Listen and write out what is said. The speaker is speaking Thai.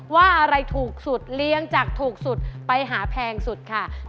ว่าอะไรถูกสุดเลี้ยงจากถูกสุดไปหาแพงสุดค่ะ